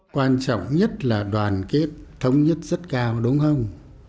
quan trọng nhất là đoàn kết thống nhất rất cao đúng không